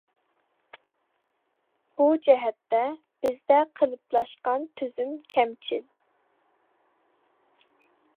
بۇ جەھەتتە، بىزدە قېلىپلاشقان تۈزۈم كەمچىل.